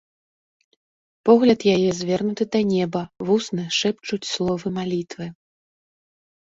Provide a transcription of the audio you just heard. Погляд яе звернуты да неба, вусны шэпчуць словы малітвы.